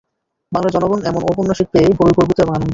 বাংলার জনগণ এমন ঔপন্যাসিক পেয়ে বড়ই গর্বিত এবং আনন্দিত।